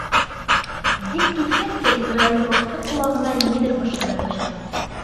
Дик киткәс тә Израэль коктың ҡолағына ниҙер бышылдай башланы.